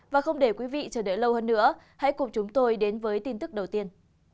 và không để quý vị chờ đợi lâu hơn nữa hãy cùng chúng tôi đến với tin tức đầu tiên